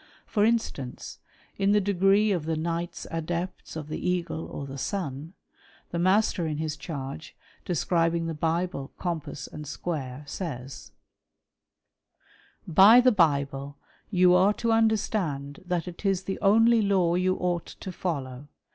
For instance in the degree of the Knights Adepts of the Eagle or the Sun, the Master in his charge describing the Bible, Compass, and Square, says :—" By the Bible, you are to understand that it is the only " law you ought to follow.